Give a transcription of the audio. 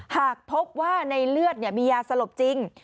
หากพบว่าในเลือดมียาสลบจริง